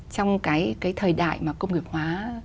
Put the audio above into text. trong cái thời đại mà công nghiệp hóa